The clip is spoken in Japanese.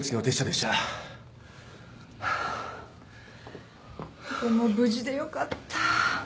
でも無事でよかった。